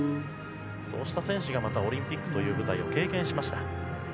そうした選手がオリンピックという舞台を経験しました。